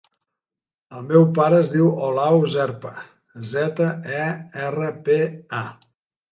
El meu pare es diu Olau Zerpa: zeta, e, erra, pe, a.